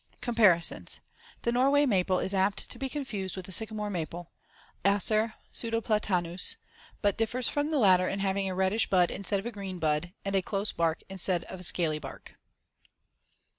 Comparisons: The Norway maple is apt to be confused with the sycamore maple (Acer pseudoplatanus), but differs from the latter in having a reddish bud instead of a green bud, and a close bark instead of a scaly bark.